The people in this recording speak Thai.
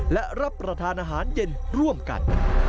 และรับประทานอาหารเย็นร่วมกัน